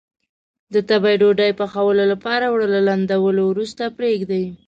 د تبۍ ډوډۍ پخولو لپاره اوړه له لندولو وروسته پرېږدي.